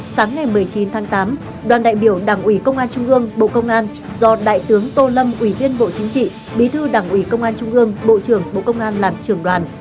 sáng ngày một mươi chín tháng tám đoàn đại biểu đảng ủy công an trung ương bộ công an do đại tướng tô lâm ủy viên bộ chính trị bí thư đảng ủy công an trung ương bộ trưởng bộ công an làm trưởng đoàn